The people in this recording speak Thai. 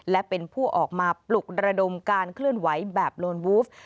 และเป็นผู้ออกมาปลุกระดมการเคลื่อนไหวแบบโลนวูฟ